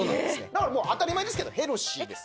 だから当たり前ですけどヘルシーです。